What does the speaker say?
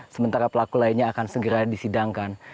sementara pelaku lainnya akan segera disidangkan